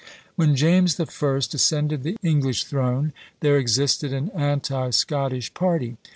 When James the First ascended the English throne, there existed an Anti Scottish party.